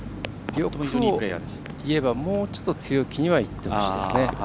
欲を言えばもうちょっと強気にはいってほしいですね。